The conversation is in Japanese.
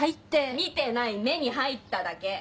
見てない目に入っただけ。